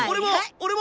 俺も！